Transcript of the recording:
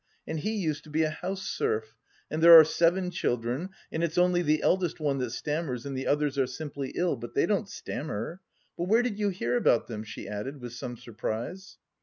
And he used to be a house serf. And there are seven children... and it's only the eldest one that stammers and the others are simply ill... but they don't stammer.... But where did you hear about them?" she added with some surprise.